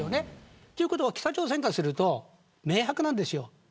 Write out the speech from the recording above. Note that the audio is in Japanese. ということは北朝鮮からすると明白です。